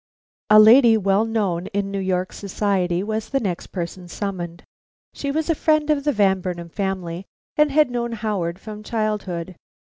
A lady well known in New York society was the next person summoned. She was a friend of the Van Burnam family, and had known Howard from childhood.